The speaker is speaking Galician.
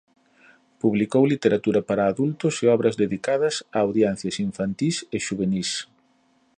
Publicou literatura para adultos e obras dedicadas a audiencias infantís e xuvenís.